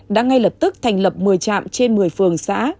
đã ngay lập tức thành lập một mươi trạm trên một mươi phường xã